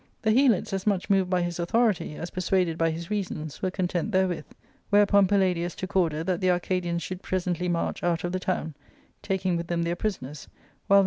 The Helots, as much moved by his authority as persuaded by his reasons, were content therewith. Whereupon Pal j ladius took order that the Arcadians should presently march ARCADIA.— Book L 39 out of the town, taking with them their prisoners, while the